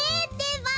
ば。